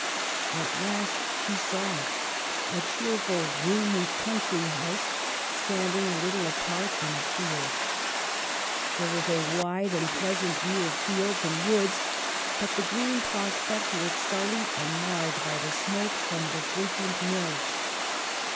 At last she saw it, a cheerful, roomy, country house, standing a little apart in a field. There 1 Mrs. Gaskell. GOING TO SCHOOL. 75 was a wide and pleasant view of fields and woods ; but the green prospect was sullied and marred by the smoke from the frequent mills.